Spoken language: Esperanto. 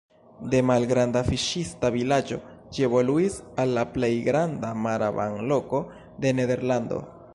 De malgranda fiŝista vilaĝo ĝi evoluis al la plej granda mara banloko de Nederlando.